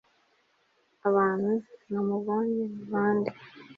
abantu namubonye ni bande